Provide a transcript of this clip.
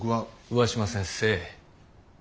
上嶋先生。